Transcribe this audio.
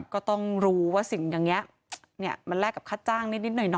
ก็ต้องรู้ว่าสิ่งอย่างเนี่ยมันแลกกับคาดจ้าง